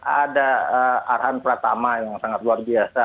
ada arhan pratama yang sangat luar biasa